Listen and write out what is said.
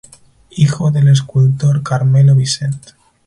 Hijo del escultor Carmelo Vicent.